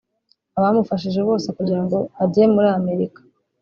abamufashije bose kugira ngo ajye muri Amerika